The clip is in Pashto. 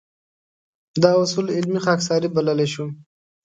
دا اصول علمي خاکساري بللی شو.